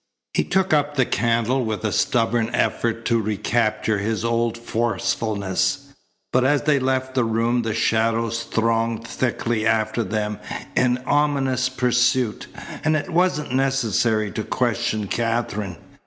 He took up the candle with a stubborn effort to recapture his old forcefulness, but as they left the room the shadows thronged thickly after them in ominous pursuit; and it wasn't necessary to question Katherine.